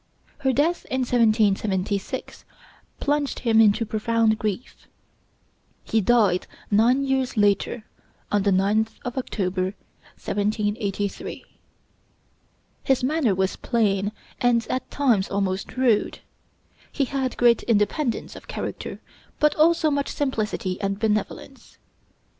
Her death in 1776 plunged him into profound grief. He died nine years later, on the 9th of October, 1783. His manner was plain and at times almost rude; he had great independence of character, but also much simplicity and benevolence.